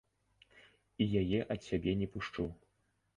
І яе ад сябе не пушчу.